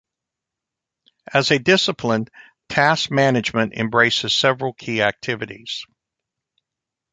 As a discipline, task management embraces several key activities.